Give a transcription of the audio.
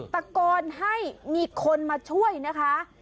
ตะโกนให้มีคนมาช่วยนะคะ